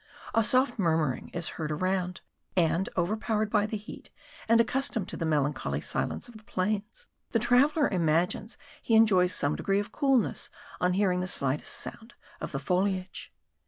A soft murmuring is heard around; and overpowered by the heat, and accustomed to the melancholy silence of the plains, the traveller imagines he enjoys some degree of coolness on hearing the slightest sound of the foliage.